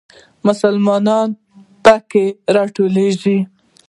مسلمانان په کې راټولېږي.